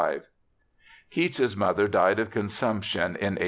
V Keats's mother died of consumption in 1810.